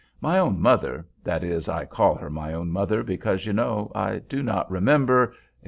My own mother—that is, I call her my own mother, because, you know, I do not remember," etc.